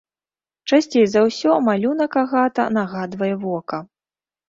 Часцей за ўсё малюнак агата нагадвае вока.